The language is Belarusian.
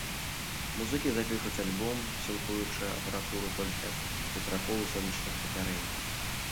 Музыкі запішуць альбом, сілкуючы апаратуру толькі ад ветракоў і сонечных батарэй.